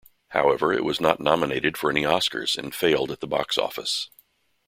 However, it was not nominated for any Oscars and failed at the box office.